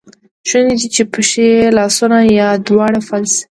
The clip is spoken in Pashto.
شونی ده چې پښې، لاسونه یا دواړه فلج شي.